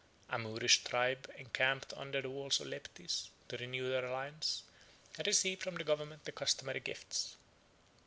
A Moorish tribe encamped under the walls of Leptis, to renew their alliance, and receive from the governor the customary gifts.